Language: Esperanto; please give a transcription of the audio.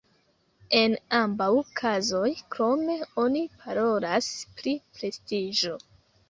En ambaŭ kazoj, krome, oni parolas pri prestiĝo.